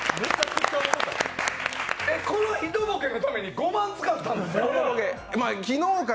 このひとボケのために５万円使ったんですか？